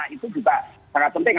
itu juga sangat penting